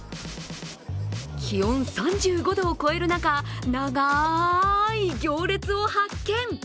気温３５度を超える中長い行列を発見。